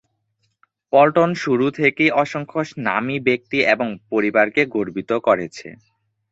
পল্টন শুরু থেকেই অসংখ্য নামী ব্যক্তি এবং পরিবারকে গর্বিত করেছে।